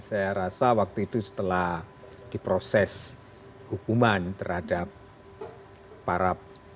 saya rasa waktu itu setelah diproses hukuman terhadap para